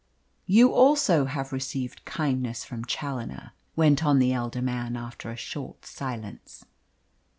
"You also have received kindness from Challoner," went on the elder man, after a short silence.